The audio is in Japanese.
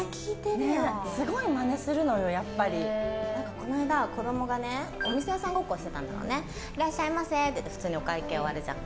この間、子供がお店屋さんごっこをしてていらっしゃいませって普通にお会計終わるじゃん。